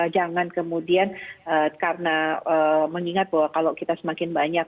jangan kemudian karena mengingat bahwa kalau kita semakin banyak